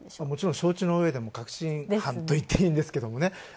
承知のうえで確信犯といっていいんですけどもね。